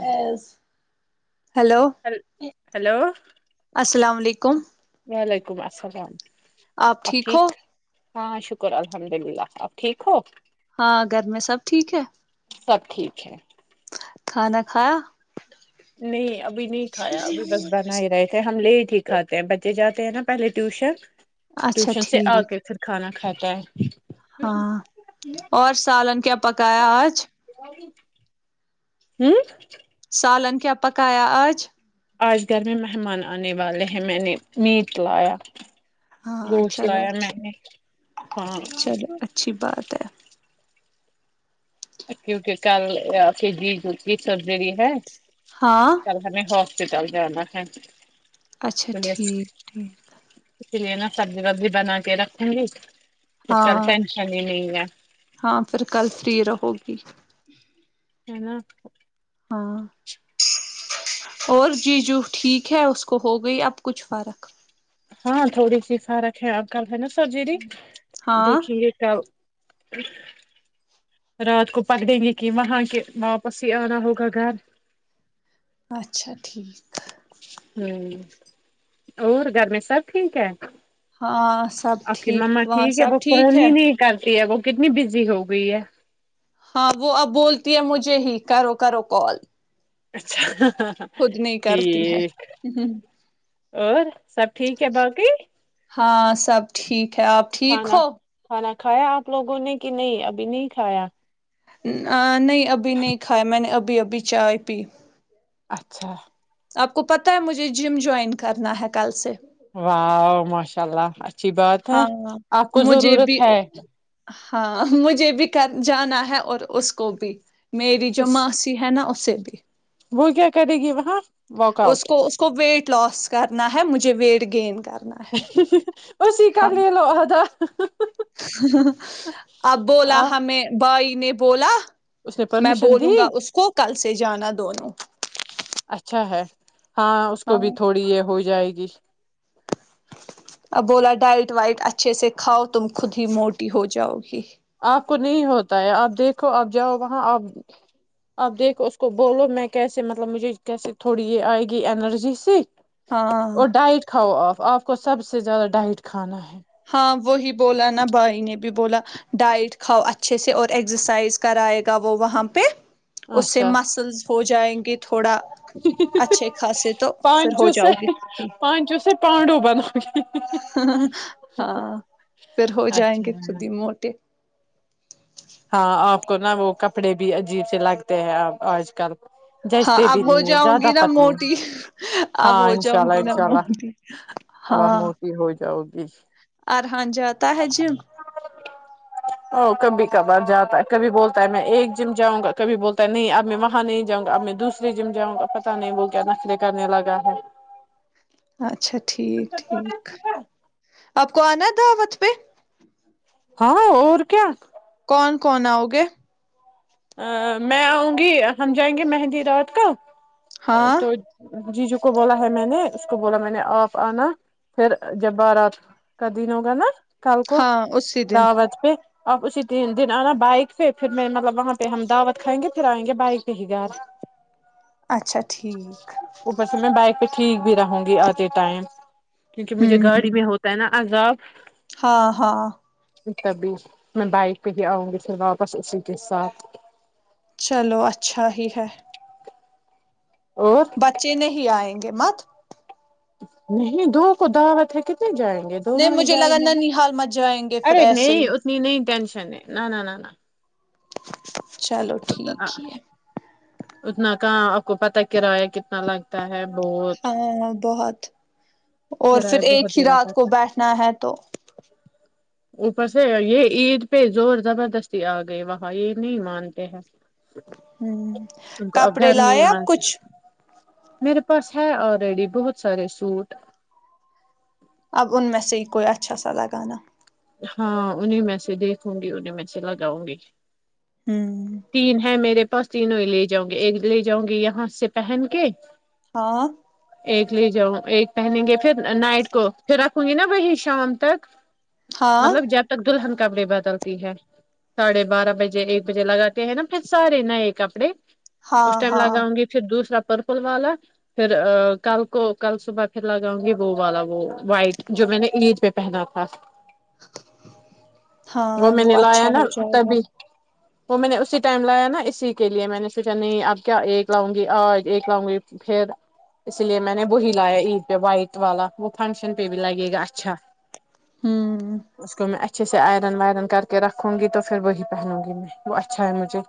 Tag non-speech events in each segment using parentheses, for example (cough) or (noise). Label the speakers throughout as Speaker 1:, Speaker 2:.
Speaker 1: As
Speaker 2: (inaudible) hello
Speaker 1: السلام علیکم
Speaker 2: وعلیکم السلام
Speaker 1: آپ ٹھیک ہو
Speaker 2: ہاں شکر الحمد للہ آپ ٹھیک ہو
Speaker 1: ہاں گھر میں سب ٹھیک ہے
Speaker 2: سب ٹھیک ہے
Speaker 1: کھانا کھایا
Speaker 2: نہیں ابھی نہیں کھایا ابھی بس بنا ہی رہے تھے ہم لے ٹ ہی کھاتے ہیں بچے جاتے ہیں نا پہلے ٹیوشن
Speaker 1: اچھا
Speaker 2: ٹیوشن سے آ
Speaker 1: ٹھیک
Speaker 2: کے پھر کھانا کھا کے تے ہیں
Speaker 1: ہاں اور سالن کیا پکایا آج
Speaker 2: ہمم
Speaker 1: سالن کیا پکایا آج
Speaker 2: آج گھر میں مہمان آنے والے ہیں میں نے میٹ لایا
Speaker 1: ہاں
Speaker 2: گوشت
Speaker 1: چلو
Speaker 2: لایا میں
Speaker 1: اچھی
Speaker 2: نے ہاں
Speaker 1: چلو اچھی بات ہے
Speaker 2: کیونکہ کل جی یہ سرجری ہے
Speaker 1: ہاں
Speaker 2: کل ہمیں ہوسپیٹل پٹل جانا ہیں
Speaker 1: اچھا ٹھیک ٹھیک
Speaker 2: پہ لیے نا سبزی وبزی بنا کے رکھوں گی
Speaker 1: ہاں
Speaker 2: (inaudible) (inaudible)
Speaker 1: ہاں پھر کل فری رہو گی
Speaker 2: ہینا
Speaker 1: ہاں اور جی جو ٹھیک ہے اس کو ہو گئی اب کچھ فرق
Speaker 2: ہاں تھوڑی سی فرق ہے آب کل ہے نا سرجیری
Speaker 1: ہاں
Speaker 2: دیکھیں گے کیا رات کو پکڑیں گے کہ وہاں کہ واپس ہی آنا ہوگا گھر
Speaker 1: اچھا ٹھیک
Speaker 2: ہمم اور گھر میں سب ٹھیک ہے
Speaker 1: ہاں سب
Speaker 2: آپ کی
Speaker 1: ٹھیک
Speaker 2: مما
Speaker 1: وہاں
Speaker 2: ٹھیک ہے
Speaker 1: سب
Speaker 2: وہ
Speaker 1: ٹھیک
Speaker 2: فون
Speaker 1: ہے
Speaker 2: ہی نہیں کرتی وہ کتنی بزی ہو گئی ہے
Speaker 1: ہاں وہ اب بولتی ہے مجھے ہی کرو کرو کال
Speaker 2: اچھا
Speaker 1: خود نہیں کرتی ہے
Speaker 2: ٹھیک
Speaker 1: ہ
Speaker 2: اور سب ٹھیک ہے باقی
Speaker 1: ہاں سب ٹھیک خ آپ ٹھیک
Speaker 2: کھانا
Speaker 1: ہو
Speaker 2: کھانا کھایا آپ لوگوں نے کہ نہیں ابھی نہیں کھایا
Speaker 1: بچار پی
Speaker 2: اچھا
Speaker 1: آپ کو پتہ ہے مجھے جم جوائن کرنا ہے کل سے
Speaker 2: و ماشاء اللہچ اچھی بات ہے
Speaker 1: ہاں
Speaker 2: آپ کو
Speaker 1: مجھے
Speaker 2: ضرورت
Speaker 1: بھی
Speaker 2: ہے
Speaker 1: ہاں مجھے بھی کر جانا ہے اور اس کو بھی میری جو
Speaker 2: اس
Speaker 1: ماسی ہے نا اسے بھی
Speaker 2: وہ کیا کرے گی وہاں واک
Speaker 1: اس
Speaker 2: آؤٹ
Speaker 1: کو اس کو ویٹ لاس کرنا ہے مجھے ویٹ گین کرنا ہے
Speaker 2: ج ا ک لے لو ادا
Speaker 1: ابو
Speaker 2: آ
Speaker 1: الحم بائی نے بولا
Speaker 2: اس نے
Speaker 1: میں
Speaker 2: پرمیشن دی
Speaker 1: بولوں گا اس کو کل سے جانا دونوں
Speaker 2: اچھا ہے ہاں اس کو بھی تھوڑی یہ ہو جائے گی جش
Speaker 1: اب بولا ڈائٹ وائٹ اچھے سے کاؤ تم خود ہی موٹی ہو جاؤ گی
Speaker 2: آپ کو نہیں ہوتا بتیا آپ دیکھو آپ جاؤ وہاں آپ آپ دیکھو اس کو بولو میں کیسے مطلب مجھے کیسے تھوڑی یہ آئے گی انرجی سے
Speaker 1: ہاں
Speaker 2: اور ڈائٹ کاؤ آ آپ کو سب سے زیادہ ڈائٹ کھانا ہے
Speaker 1: ہاں وہی بولا نا بھائی نے بھی بولا ڈائٹ کھاؤ اچھے سے اور ایکسرسائز کرائے گا وہ وہاں پہ اس سے
Speaker 2: اچھا
Speaker 1: مسلز ہو جائیں گے تھوڑا اچھے خاصے تو پھر ہو
Speaker 2: پانچوں سے
Speaker 1: جاؤ گی خٹی
Speaker 2: پانچوں سے پانڈو بنو
Speaker 1: ہاں پھر ہو جائیں گے
Speaker 2: اچھا
Speaker 1: سدی موٹے تو
Speaker 2: ہاں آپ کو نا وہ کپڑے بھی عجیب سے لگتے ہیں آپ آج کل
Speaker 1: ہاں
Speaker 2: جچتے
Speaker 1: اب
Speaker 2: بھی
Speaker 1: ہو
Speaker 2: نہیں ہے
Speaker 1: جاؤں گی
Speaker 2: زیادہ
Speaker 1: نا
Speaker 2: پتلی
Speaker 1: موٹی اب
Speaker 2: ہاں
Speaker 1: ہو
Speaker 2: انشاء
Speaker 1: جاؤں
Speaker 2: اللہ
Speaker 1: گی نا
Speaker 2: انشاء اللہ
Speaker 1: موٹی ہاں
Speaker 2: جی
Speaker 1: ار ہان جاتتا ہے جی
Speaker 2: او کمبی کبار جاتا ہے کبھی بولتا ہے میں ایک جم جاؤں گا کبھی بولتا ہے نہیں اب میں وہاں نہیں جاؤں گا اب میں دوسرے جم جاؤں گا پتا نہیں وہ کیا نخلے کرنے لگا ہے
Speaker 1: اچھا اچھا ٹھیک ٹھیک آپ کو آنا دعوت پہ
Speaker 2: ہاں اور کیا
Speaker 1: کون کون آؤ گے
Speaker 2: ا میں آؤں گی ہم جائیں گے مہندی رات کا ا
Speaker 1: ہاں
Speaker 2: تو جی جو کو بولا ہے میں نے اس کو بولا میں نے آپ آنا پھر جب بارات کا دن ہوگا نا کل کو
Speaker 1: ہاں اسی دن
Speaker 2: د بج پہ اپ اسی تین دن آنا بائک پہ پھر میں مطلب وہاں پہ ہم دعوت کھائیں گے پھر آئیں گے بائک پہ ہی گھر
Speaker 1: اچھا ٹھیک
Speaker 2: اوپر سے میں بائک پہ ٹھیک بھی رہوں گی آجے ٹائم کیونکہ مجھے
Speaker 1: ہوں
Speaker 2: گاڑی میں ہوتا ہے نا آزاب
Speaker 1: ہاں ہاں
Speaker 2: تبھی میں بائک پہ ہی آؤں گی پھر واپس اسی کے ساتھ
Speaker 1: چلو اچھا ہی ہے
Speaker 2: اور
Speaker 1: بچے نہیں آئیں گے مت
Speaker 2: نہیں دو کو دعوت ہے کہ ا جائیں گے
Speaker 1: نہیں
Speaker 2: دونوں ہی
Speaker 1: مجھے
Speaker 2: جائیں
Speaker 1: لگا
Speaker 2: گے نا
Speaker 1: ننیحال مت جائیں گے پھر
Speaker 2: ارے
Speaker 1: ایسے
Speaker 2: نہیں
Speaker 1: ہی
Speaker 2: اتنی نہیں ٹینشن ہے نانا نانا
Speaker 1: (unintelligible) چلو ٹھیک ہے
Speaker 2: اتنا کہاں آپ کو پتا کرایہ کتنا لگتا ہے بہت
Speaker 1: ہاں بہت اور پھر
Speaker 2: کرایہ بہت
Speaker 1: ایک ہی
Speaker 2: دینا
Speaker 1: رات کو
Speaker 2: پڑتا
Speaker 1: بیٹھنا ہے تو
Speaker 2: اوپر سے یہ عید پہ زور زبردستی آ گئے وہاں یہ نہیں مانتے ہیں
Speaker 1: ہ
Speaker 2: ان کو اب
Speaker 1: کپڑے
Speaker 2: گھر نہیں
Speaker 1: لائےائے آپ
Speaker 2: مان
Speaker 1: کچھ
Speaker 2: سکتے۔ میرے پاس ہے آلریڈی بہت سارے سوٹ
Speaker 1: اب ان میں سے ہی کوئی اچھا سا لگانا
Speaker 2: ہاں انہیں میں سے دیکھوں گی انہیں میں سے لگاؤں گی
Speaker 1: ہوں
Speaker 2: تین ہے میرے بس تینوں ہی لے جاؤں گے ایک لے جؤ گیے یہاں سے پہن کے
Speaker 1: ہاں
Speaker 2: ایک لے جاؤں ایک پہنیں گے پھر نائٹ کو پھر رکھوں گی نا وہی شام تک
Speaker 1: ہاں
Speaker 2: مطلب جب تک دلہ ہن کمرے بدلتی ہے ساھے بارہ بجے ایک بجے لگا ہےا پھر سارے نئے کپڑے اس
Speaker 1: ہاں
Speaker 2: ٹائم
Speaker 1: ہاں
Speaker 2: لاگاؤں گی پھر دوسرا پرپل والا پھر کل کو کل صبح پھر لگاؤں گی وہ والا وہ وائٹ جو میں نے عید پہ پہنا تھا وہ
Speaker 1: ہاں
Speaker 2: میں نے
Speaker 1: اچھا
Speaker 2: لایا نا
Speaker 1: ہو جائے گا
Speaker 2: تبھی وہ میں نے اسی ٹائم لایا نا اسی کے لیے میں نے سوچا نہیں اب کیا ایک لاؤں گی آج ایک لاؤں گی پھر اسی لیے میں نے وہی لایا عید پہ وائٹ والا وہ فنکشن پہ بھی لگے گا اچھا
Speaker 1: ہوں
Speaker 2: اس کو میں اچھے سے آئرن وائرن کر کے رکھوں گی تو پھر وہ پہنوں گی میں اچھا ہے مجھے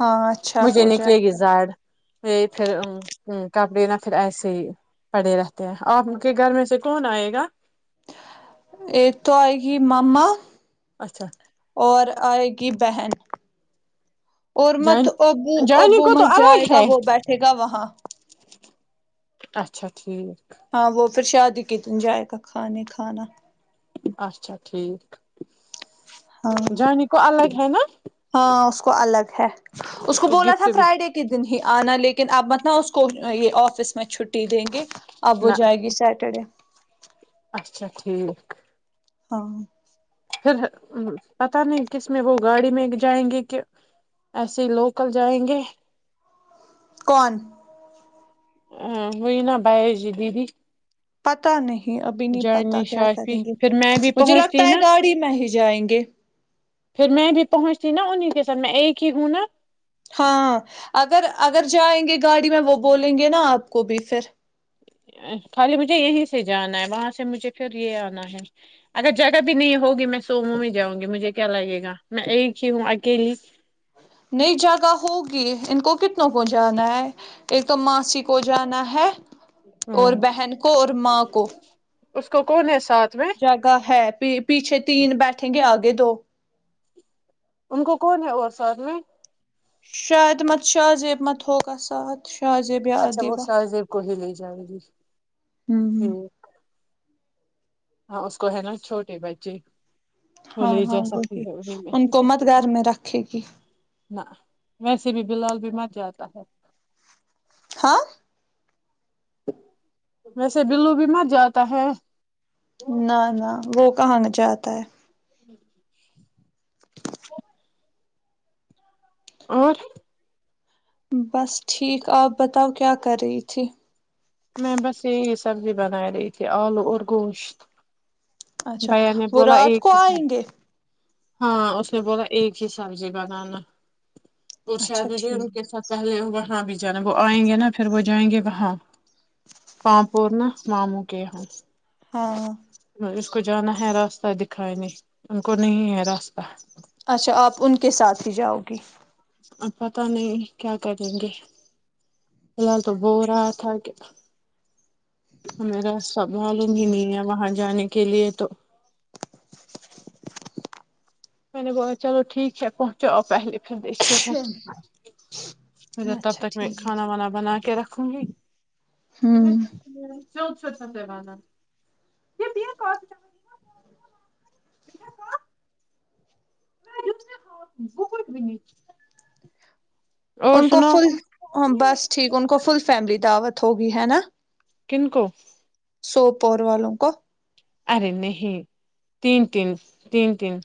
Speaker 1: ہاں اچھا
Speaker 2: مجھے
Speaker 1: ہو
Speaker 2: نکلے
Speaker 1: جائے
Speaker 2: گی
Speaker 1: گا
Speaker 2: جاڑ یہ پھر کپڑے نہ پھر ایسے ہی پڑے رہتے ہیں آپ کے گھر میں سے کون آئے گا
Speaker 1: ایک تو ہے گ مامما
Speaker 2: اچھا
Speaker 1: اور آئے گی بہن اور مت
Speaker 2: جان
Speaker 1: ابو
Speaker 2: جانی
Speaker 1: ابو
Speaker 2: کو تو
Speaker 1: مت جائے
Speaker 2: الگ
Speaker 1: گا
Speaker 2: ہے
Speaker 1: وہ بیٹھے گا وہاں
Speaker 2: اچھا ٹھیک
Speaker 1: ہاں وہ پھر شادی کے دن جائے کا کھانے کھانا
Speaker 2: اچھا ٹھیک
Speaker 1: ہاں
Speaker 2: جانی کو الگ ہے نا
Speaker 1: ہاں اس کو الگ ہے اس کو بولا تھا فرائیڈے کے دن ہی آنا لیکن اپ مت نہ اس کو یہ آفس میں چھٹی دیں گے اب وہ
Speaker 2: نہ
Speaker 1: جائے گی سیٹرڈے
Speaker 2: اچھا ٹھیک
Speaker 1: ہاں
Speaker 2: پھر پت نہیں کس میں وہ گاڑی میں جائیں گے کہ ایسے ہی لوکل جائیں گے
Speaker 1: کون
Speaker 2: ا وہئیین بائے ج دیدی
Speaker 1: پتا نہیں ابھی نہیں پتا
Speaker 2: جانی
Speaker 1: کیا
Speaker 2: شافی
Speaker 1: کریں گے
Speaker 2: پھر میں بھی
Speaker 1: مجھے
Speaker 2: پہنچتی
Speaker 1: لگتا ہے
Speaker 2: نا
Speaker 1: گاڑی میں ہی جائیں گے
Speaker 2: پھر میں بھی پہنچتی نا انہیں کے ساتھ میں ایک ہی ہوں نا
Speaker 1: ہاں اگر اگر جائیں گے گاڑی میں وہ بولیں گے نا آپ کو بھی پھر
Speaker 2: خالی مجھے یہیں سے جانا ہے وہاں سے مجھے پھر یہ آنا ہے اگر جگہ بھی نہیں ہوگی میں سومو میں جاؤں گی مجھے کیا لگے گا میں ایک ہی ہوں اکیلی
Speaker 1: نہیں جگہ ہوگی ان کو کتنوں کو جانا ہے ایک تو ماسی کو جانا ہے اور
Speaker 2: ہوں
Speaker 1: بہن کو اور ماں کو
Speaker 2: اس کو کون ہے ساتھ میں
Speaker 1: جگہ ہے یہ پیچھے تین بیٹھیں گے آگے دو
Speaker 2: ان کو کون ہے اور ساتھ میں
Speaker 1: شاہعد مت شاہ زیب مت ہوگا ساتھ شاہ زیب یا
Speaker 2: اچھا وہ
Speaker 1: ادیبہ
Speaker 2: شاہزیب کو ہی لے جائے گی
Speaker 1: ہوں ہوں،
Speaker 2: کیوں ہاں اس کو ہے نا چھوٹے بچے وہ
Speaker 1: ہاں
Speaker 2: لے جا
Speaker 1: ہاں
Speaker 2: سکتی
Speaker 1: وہی
Speaker 2: ہے انہی
Speaker 1: ان کو مت گھر میں رکھے گی
Speaker 2: ویسے بھی بلال بھی مر جاتا ہے
Speaker 1: ہاں
Speaker 2: ویسے بلو بھی مر جاتا ہے
Speaker 1: نہ نہ وہ کہا نا جاتا ہے
Speaker 2: (inaudible) اور
Speaker 1: بس ٹھیک آپ بتاؤ کیا کر رہی تھی
Speaker 2: میں بس یہی سبزی بنا رہی تھی آلو اور گوشت
Speaker 1: اچھا
Speaker 2: بھیا نے
Speaker 1: وہ
Speaker 2: بولا
Speaker 1: رات
Speaker 2: ایک
Speaker 1: کو
Speaker 2: ہی سا
Speaker 1: آئیں گے
Speaker 2: ہاں اس نے بولا ایک ہی سبزی بنانا اور شاید
Speaker 1: اچھا
Speaker 2: مجھے
Speaker 1: ٹھیک
Speaker 2: ان کے ساتھ پہلے ہوا کہاں بھی جانا وہ آئیں گے نا پھر وہ جائیں گے وہاں پام پور ن معموں کہ یہ
Speaker 1: ہاں
Speaker 2: اس کو جانا ہے راستہ دکھانے ان کو نہیں ہے راستہ
Speaker 1: اچھا آپ ان کے ساتھ ہی جاؤ گی
Speaker 2: اب پتہ نہیں کیا کریں گے فی الحال تو بو رہا تھا کیا میرا سب معلوم ہی
Speaker 1: ٹھیک
Speaker 2: نہیں ہے وہاں جانے کا کے لیے تو
Speaker 1: (inaudible)
Speaker 2: میں نے بولا چلو ٹھیک ہے پہنچاؤ پہلے پھر دیکھتے ہیں تب
Speaker 1: اچھا
Speaker 2: تک میں
Speaker 1: ٹھیک
Speaker 2: کھانا وانا بنا کے کے رکھوں گی
Speaker 1: ہے ہوں
Speaker 2: وہاں چل کے میرا سوچ سوچ کے جگانا (unintelligible)
Speaker 1: ان کو
Speaker 2: سنو
Speaker 1: فل ہاں بس ٹھیک ان کو فل فیملی دعوت ہوگی ہے نا
Speaker 2: کن کو
Speaker 1: سوپور والوں کو
Speaker 2: ارے نہیں تین تین تین تین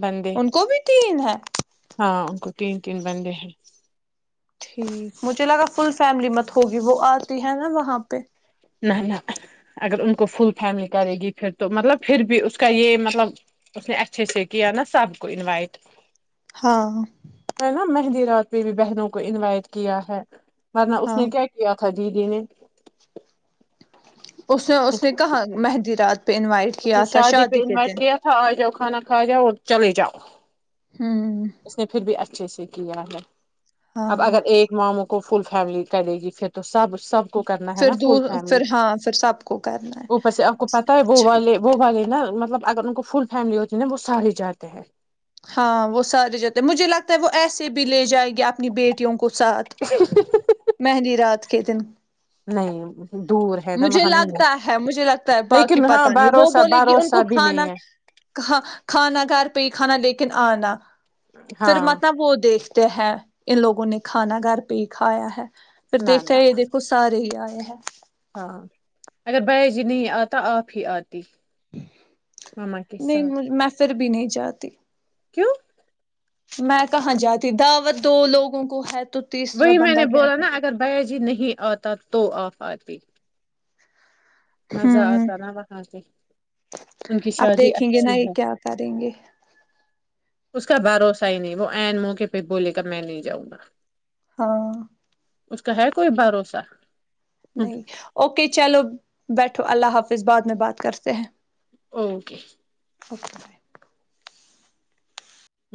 Speaker 2: بندے
Speaker 1: ان کو بھی تین ہیں ہ
Speaker 2: ہاں ان کو تین تین بندے ہیں
Speaker 1: ٹھیک مجھے لگا فل فیملی مت ہوگی وہ آتی ہے نا وہاں پہ
Speaker 2: نہ نہ اگر ان کو فل فیملی کرے گی پھر تو مطلب پھر بھی اس کا یہ مطلب اس نے اچھے سے کیا نا سب کو انوائٹ
Speaker 1: ہاں
Speaker 2: ہے نا مہدیرات اپنی بھی بہنوں کو انوائٹ کیا ہے ورنہ اس
Speaker 1: ہاں
Speaker 2: نے کیا کیا تھا جی گنے
Speaker 1: (unintelligible) اس نے اس نے کہا مہندی رات پہ انوائٹ
Speaker 2: اس نے
Speaker 1: کیا تھا
Speaker 2: شادی پہ
Speaker 1: کے
Speaker 2: انوائٹ
Speaker 1: دن
Speaker 2: کیا تھا آ جاؤ کھانا کھا جاؤ اور چلے جاؤ
Speaker 1: ہوں
Speaker 2: اس نے پھر بھی اچھے سے ھیک ہے نے
Speaker 1: ہاں
Speaker 2: اب
Speaker 1: ہاں
Speaker 2: اگر ایک موں کو فل فیملی کرے گی پھر تو سب سب کو کرنا ہے
Speaker 1: پھر
Speaker 2: نا فل فیملی
Speaker 1: پھر ہاں پھر سب کو کرنا ہے
Speaker 2: اوپر سے آپ کو پتا ہے وہ
Speaker 1: اچھا
Speaker 2: والے وہ نا مطلب اگر ان کو فل فیملی ہوتی ہے نا وہ سار ہی جاتے ہیں
Speaker 1: ہاں وہ سارے جتے ہیں مجھے لگتا وہ ایسے بھی لے جائے گی اپنی بیٹیوں کو ساتھ مہندی رات ک دن
Speaker 2: نہیں دور ہے نا
Speaker 1: مجھے
Speaker 2: وہاں نہیں جاتے،
Speaker 1: لگتا ہے مجھے لگتا ہے باقی
Speaker 2: لیکن ہاں
Speaker 1: پتا نہیں وہ
Speaker 2: بھروسہ
Speaker 1: بولے گی ان
Speaker 2: بھروسہ
Speaker 1: کو
Speaker 2: بھی
Speaker 1: کھانا
Speaker 2: نہیں ہے
Speaker 1: ک کھانا گھر پہ کھانا لیکن آنا پھر
Speaker 2: ہاں
Speaker 1: متب وہ دیکھتے ہیں ان لوگوں نے کھانا گھر پہ ہی کھایا ہے پھر
Speaker 2: نہ
Speaker 1: دیکھتا
Speaker 2: نہ
Speaker 1: ہے یہ دیک کو سارے ہی ار ج ہے
Speaker 2: ہاں اگر بعثی نہیں آتا آپ ہی آتے ہمم کے ساتھ
Speaker 1: نہیں میں پھر بھی نہیں جاتی
Speaker 2: کیوں
Speaker 1: میں کہاں جاتی دعوت دو لوگوں کو ہے تو تیسرا
Speaker 2: وہی میں
Speaker 1: بندہ
Speaker 2: نے
Speaker 1: کیا
Speaker 2: بولا نا اگر
Speaker 1: کرے
Speaker 2: بھیا جی نہیں آتا تو آپ آتی مزہ
Speaker 1: ہوں
Speaker 2: آتا نا وہاں سے ان کی
Speaker 1: اب
Speaker 2: شادی
Speaker 1: دیکھیں گے ن
Speaker 2: اچھی
Speaker 1: یہ
Speaker 2: ہے
Speaker 1: کیا کریں گے
Speaker 2: اس کا بھروسہ ہی نہیں وہ این موقع پہ بولے کا میں نہیں جاؤں گا
Speaker 1: ہاں
Speaker 2: اس کا ہے کوئی بھروسہ
Speaker 1: نہیں اوکے چلو بیٹھو اللہ حافظ اس بعد میں بات کرتے ہیں
Speaker 2: اوکے
Speaker 1: اوک بھائے (unintelligible)